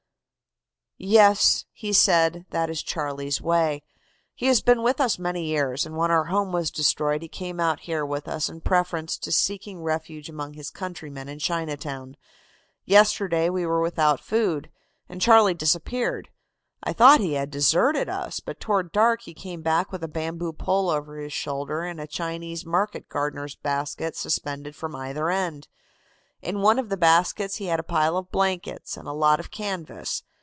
"'Yes,' he said, 'that is Charlie's way. He has been with us many years, and when our home was destroyed he came out here with us in preference to seeking refuge among his countrymen in Chinatown. Yesterday we were without food, and Charlie disappeared. I thought he had deserted us, but toward dark he came back with a bamboo pole over his shoulder and a Chinese market gardener's basket suspended from either end. In one of the baskets he had a pile of blankets and a lot of canvas.